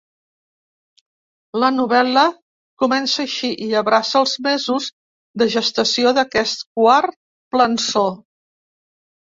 La novel·la comença així, i abraça els mesos de gestació d’aquest quart plançó.